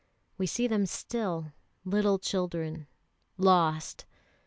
We see them still, little children lost.